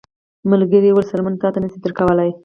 ملکې وویل څرمن تاته نه شي درکولی.